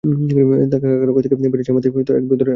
কার কাছ থেকে বেঁটে জাতের এক বাঁদর অখিল সস্তা দামে কিনেছে।